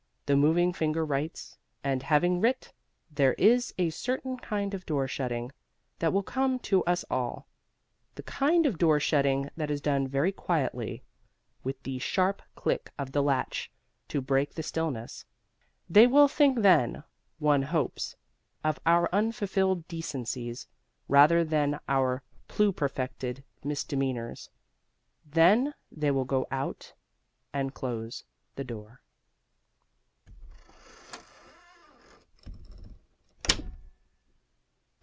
"The moving finger writes, and having writ" There is a certain kind of door shutting that will come to us all. The kind of door shutting that is done very quietly, with the sharp click of the latch to break the stillness. They will think then, one hopes, of our unfulfilled decencies rather than of our pluperfected misdemeanors. Then they will go out and close the door.